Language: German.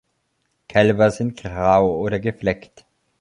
Kälber sind grau oder gefleckt.